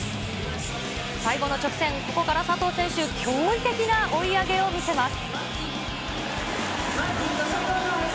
最後の直線、ここから佐藤選手、驚異的な追い上げを見せます。